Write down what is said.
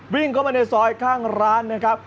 วิ่งเข้ามาในซอยข้างร้านนะครับ